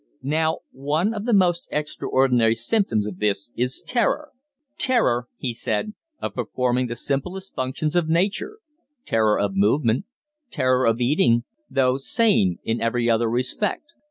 Now one of the most extraordinary symptoms of this is terror. Terror," he said, "of performing the simplest functions of nature; terror of movement, terror of eating though sane in every other respect.